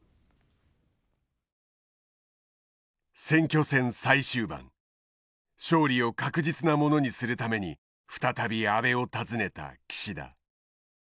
選挙戦最終盤勝利を確実なものにするために再び安倍を訪ねた岸田。